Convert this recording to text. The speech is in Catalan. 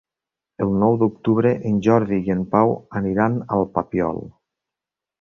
El nou d'octubre en Jordi i en Pau aniran al Papiol.